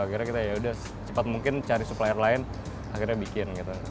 akhirnya kita yaudah cepat mungkin cari supplier lain akhirnya bikin gitu